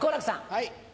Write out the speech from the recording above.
はい。